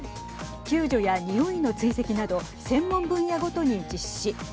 救助やにおいの追跡など専門分野ごとに実施。